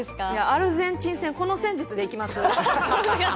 アルゼンチン戦、この戦術でいきます？